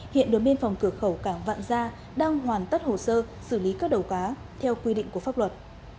hiện đồn biên phòng cửa khẩu cảng vạn gia đang hoàn tất hồ sơ xử lý các đầu cá theo quy định của pháp luật